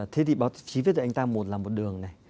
thế thì báo chí viết được anh ta một là một đường này